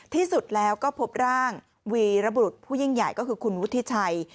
ที่สุดแล้วก็พบร่างวีรบุรุษผู้ยิ่งใหญ่ก็คือคุณวุฒิชัย